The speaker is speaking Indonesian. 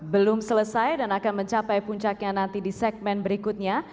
belum selesai dan akan mencapai puncaknya nanti di segmen berikutnya